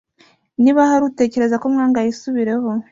niba hari utekereza ko mwanga yisubireho